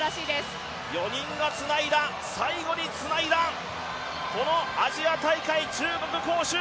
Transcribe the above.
４人がつないだ、最後につないだこのアジア大会、中国・杭州。